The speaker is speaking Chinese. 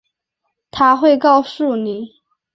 她会告诉你